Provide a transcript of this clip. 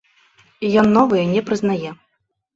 Ён новыя не прызнае.